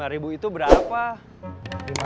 rp lima itu berapa